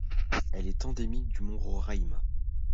Elle est endémique du mont Roraima.